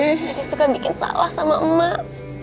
suka bikin salah sama emak